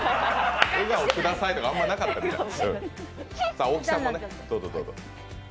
笑顔くださいとかあんまなかったから。